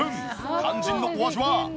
肝心のお味は？